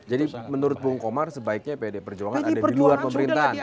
jadi menurut bung komar sebaiknya pdi perjuangan ada di luar pemerintahan